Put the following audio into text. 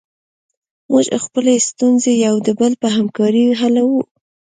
موږ خپلې ستونزې یو د بل په همکاري حلوو.